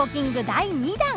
第２弾。